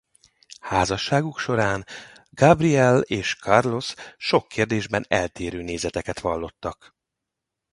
Házasságuk során Gabrielle és Carlos sok kérdésben eltérő nézeteket vallottak.